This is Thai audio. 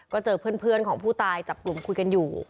ก็เจอเพื่อนของผู้ตายจับกลุ่มคุยกันอยู่